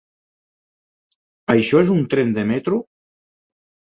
Això és un tren de metro?